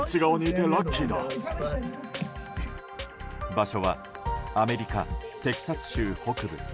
場所はアメリカ・テキサス州北部。